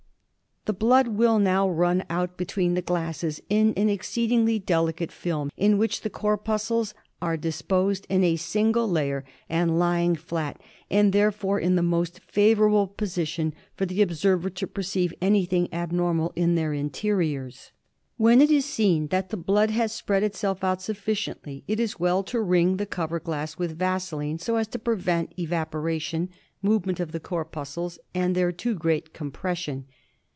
The blood will ^, ^^^p ^Q^ now run out between the ^B glasses in an exceedingly ^^« delicate film in which the •^pT corpuscles are disposed in a single layer and lying Bidg psrasite flat> »"<* therefore in the most favourable positioti for the observer to perceive anything abnormal in their interiors. When it is seen that the blood has spread itself out sufficiently it is well to ring the cover glass with vaseline so as to prevent evaporation, movement of the corpuscles, and their too great compression.